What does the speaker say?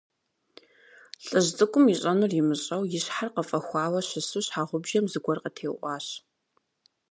ЛӀыжь цӀыкӀум, ищӀэнур имыщӀэу, и щхьэр къыфӀэхуауэ щысу, щхьэгъубжэм зыгуэр къытеуӀуащ.